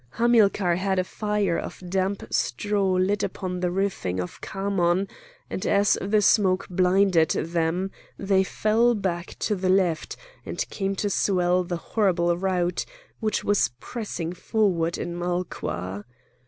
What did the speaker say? Hamilcar had a fire of damp straw lit upon the roofing of Khamon, and as the smoke blinded them they fell back to left, and came to swell the horrible rout which was pressing forward in Malqua.